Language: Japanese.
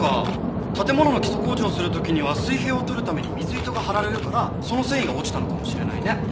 建物の基礎工事をする時には水平を取るために水糸が張られるからその繊維が落ちたのかもしれないね。